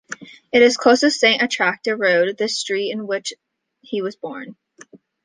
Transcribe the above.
It is close to Saint Attracta Road, the street in which he was born.